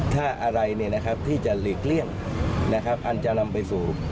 ถ้าอะไรที่จะหลีกเลี่ยงอันจะนำไปสู่